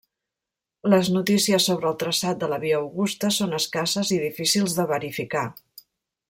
Les notícies sobre el traçat de la via Augusta són escasses i difícils de verificar.